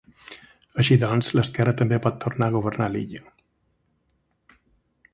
Així doncs, l’esquerra també pot tornar a governar a l’illa.